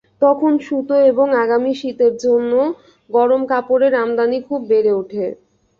তখন সুতো এবং আগামী শীতের জন্যে গরম কাপড়ের আমদানি খুব বেড়ে ওঠে।